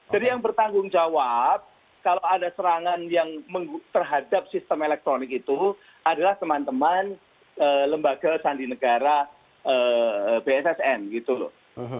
jadi yang bertanggung jawab kalau ada serangan yang terhadap sistem elektronik itu adalah teman teman lembaga sandi negara bssn gitu loh